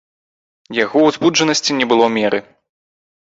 Яго ўзбуджанасці не было меры.